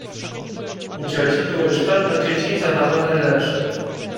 U cioci było już pełno dzieci i zabawa w najlepsze.